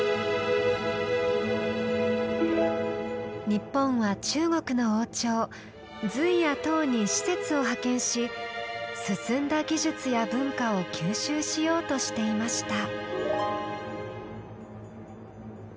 日本は中国の王朝隋や唐に使節を派遣し進んだ技術や文化を吸収しようとしていました。